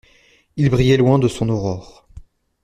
Il brillait loin de son aurore.